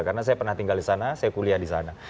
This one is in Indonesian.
karena saya pernah tinggal di sana saya kuliah di sana